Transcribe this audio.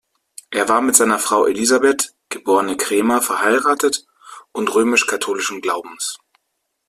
Er war mit seiner Frau Elisabeth, geborene Krämer verheiratet und römisch-katholischen Glaubens.